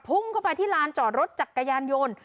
พุ่งเข้าไปที่ลานจอดรถจักรยานยนต์